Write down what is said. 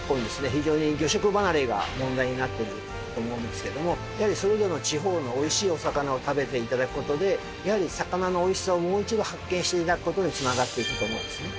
非常に魚食離れが問題になっていると思うんですけれどもやはりそれぞれの地方の美味しいお魚を食べて頂く事でやはり魚の美味しさをもう一度発見して頂く事に繋がっていくと思うんですね。